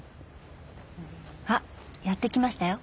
あやって来ましたよ。